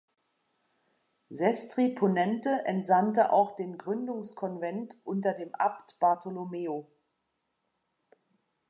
Sestri Ponente entsandte auch den Gründungskonvent unter dem Abt Bartolomeo.